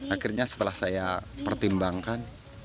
akhirnya setelah saya pertimbangkan